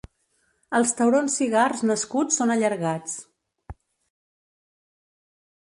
Els taurons cigars nascuts són allargats.